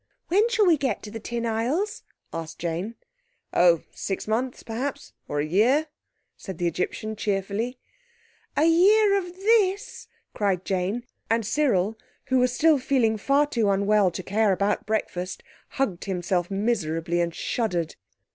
"When shall we get to the Tin Isles?" asked Jane. "Oh—six months, perhaps, or a year," said the Egyptian cheerfully. "A year of this?" cried Jane, and Cyril, who was still feeling far too unwell to care about breakfast, hugged himself miserably and shuddered.